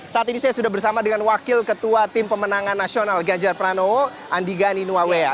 saat ini saya sudah bersama dengan wakil ketua tim pemenangan nasional ganjar pranowo andi gani nuawea